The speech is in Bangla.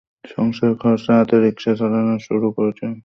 সংসারের খরচ চালাতে রিকশা চালানো শুরু করেছিল দ্বিতীয় শ্রেণিতে পড়ার সময়।